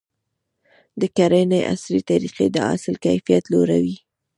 د کرنې عصري طریقې د حاصل کیفیت لوړوي.